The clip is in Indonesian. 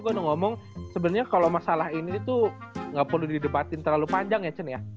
gue udah ngomong sebenarnya kalau masalah ini tuh gak perlu didebatin terlalu panjang ya chen ya